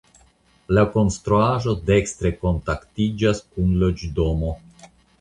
La konstruaĵo dekstre kontaktiĝas kun loĝdomo.